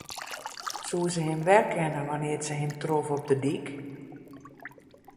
Soe se him werkenne wannear't se him trof op de dyk?